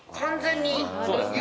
そうですね。